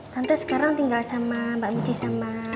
tante sekarang tinggal sama mbak mieci sama